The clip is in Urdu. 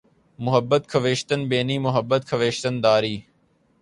محبت خویشتن بینی محبت خویشتن داری